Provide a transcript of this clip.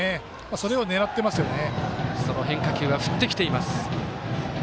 それを狙ってますよね。